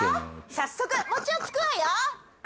早速餅をつくわよ